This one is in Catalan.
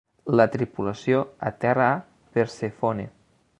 La tripulació aterra a Persèfone.